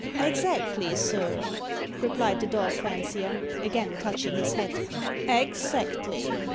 "Exactly, sir," replied the dog fancier, again touching his hat, "ex actly.